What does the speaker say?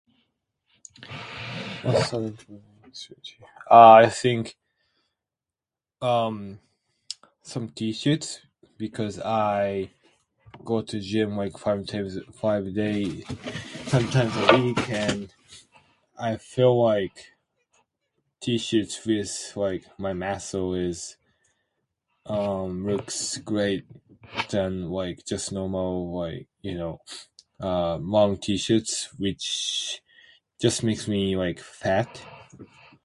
What's some... something... [unintelligible] I think, um, some T-shirts. Because I go to gym with five times... five days... five times a week, and I feel like T-shirts feels like my muscle is, um, looks great than, like, just normal, like, you know, uh, long T-shirts which just makes me like fat.